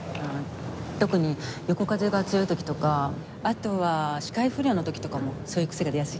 特に横風が強い時とかあとは視界不良の時とかもそういう癖が出やすいから。